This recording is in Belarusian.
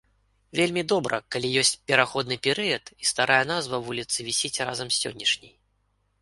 Вельмі добра, калі ёсць пераходны перыяд і старая назва вуліцы вісіць разам з сённяшняй.